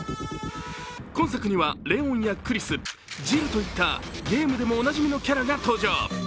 今作はレオンやクリス、ジルといったゲームでもおなじみのキャラが登場。